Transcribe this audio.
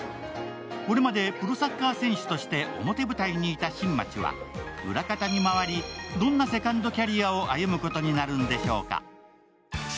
これまでプロサッカー選手として表舞台にいた新町は裏方に回りどんなセカンドキャリアを歩むことになるんでしょうか。